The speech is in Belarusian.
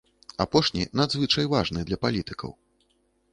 Апошні надзвычай важны для палітыкаў.